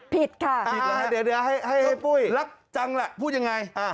ผิดค่ะเดี๋ยวให้ปุ้ยค่ะรักจังแหละพูดอย่างไร